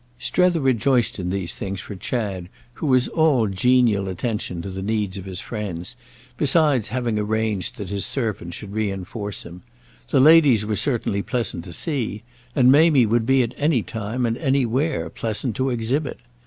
Strether rejoiced in these things for Chad, who was all genial attention to the needs of his friends, besides having arranged that his servant should reinforce him; the ladies were certainly pleasant to see, and Mamie would be at any time and anywhere pleasant to exhibit.